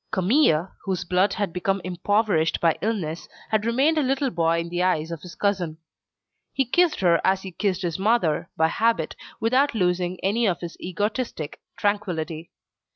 Camille, whose blood had become impoverished by illness, had remained a little boy in the eyes of his cousin. He kissed her as he kissed his mother, by habit, without losing any of his egotistic tranquillity.